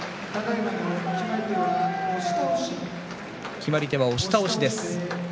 決まり手は押し倒しです。